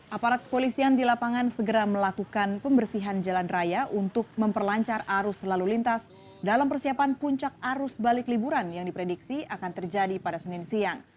aparat kepolisian di lapangan segera melakukan pembersihan jalan raya untuk memperlancar arus lalu lintas dalam persiapan puncak arus balik liburan yang diprediksi akan terjadi pada senin siang